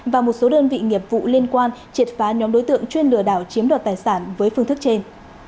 và một số đơn vị nghiệp vụ liên quan triệt phá nhóm đối tượng chuyên lừa đảo chiếm đoạt tài sản với phương thức trên